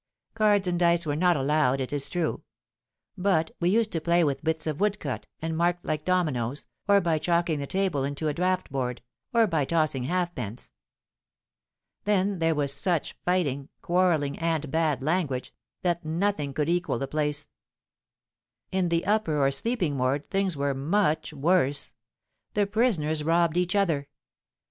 Cards and dice were not allowed, it is true; but we used to play with bits of wood cut and marked like dominoes, or by chalking the table into a draught board, or by tossing halfpence. Then there was such fighting, quarrelling, and bad language, that nothing could equal the place! In the upper, or sleeping ward, things were much worse: the prisoners robbed each other.